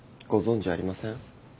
ご存じありません？